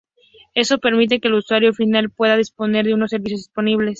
Esto permite que el usuario final pueda disponer de más servicios disponibles.